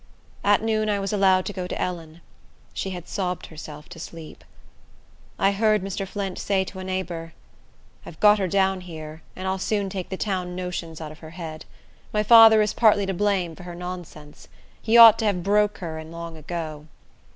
At noon I was allowed to go to Ellen. She had sobbed herself to sleep. I heard Mr. Flint say to a neighbor, "I've got her down here, and I'll soon take the town notions out of her head. My father is partly to blame for her nonsense. He ought to have broke her in long ago."